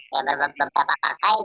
ya beberapa partai